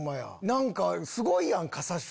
何かすごいやん笠商。